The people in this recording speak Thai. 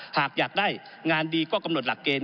หากอยากได้งานดีก็กำหนดหลักเกณฑ์